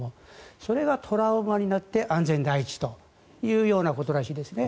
それがトラウマになって安全第一というようなことらしいですね。